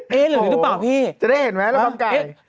จะได้เห็นไหมระบำไก่